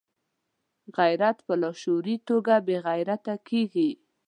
غیرت په لاشعوري توګه بې غیرته کېږي.